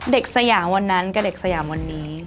สยามวันนั้นกับเด็กสยามวันนี้